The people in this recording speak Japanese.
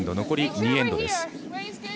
残り２エンドです。